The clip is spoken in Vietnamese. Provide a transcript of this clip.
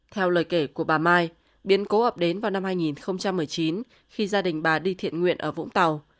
theo lời kể của bà mai biến cố ập đến vào năm hai nghìn một mươi chín khi gia đình bà đi thiện nguyện ở vũng tàu